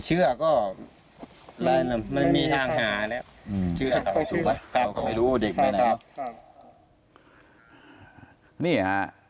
ช่วย